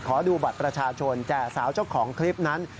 ขอดูบัตรประชาชนแต่สาวเจ้าของคลิปนั้น